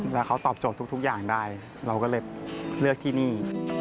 แล้วเขาตอบโจทย์ทุกอย่างได้เราก็เลยเลือกที่นี่